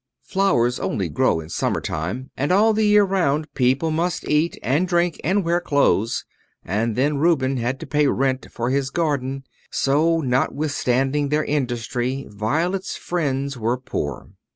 Flowers only grow in summer time; and all the year round people must eat, and drink, and wear clothes; and then Reuben had to pay rent for his garden; so, notwithstanding their industry, Violet's friends were poor.